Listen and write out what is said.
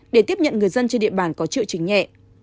để tiếp nhận người dân trên địa bàn có trự trình nhẹ